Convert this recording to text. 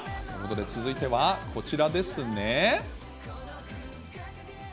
続いてはこちらですね。